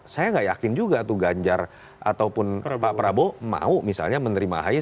saya nggak yakin juga tuh ganjar ataupun pak prabowo mau misalnya menerima ahy